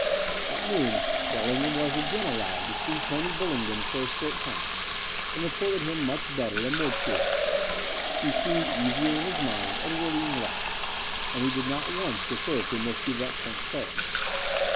At noon Wellingham was again allowed to see Tony Bullingdon for a short time, and reported him much better and more cheerful. He seemed easier in his mind and worrying less: and he did not once refer to Miss Yvette St. Clair.